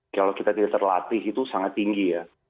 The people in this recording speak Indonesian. kalau kita tidak terlatih itu sangat tinggi ya